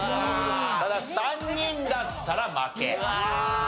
ただ３人だったら負け。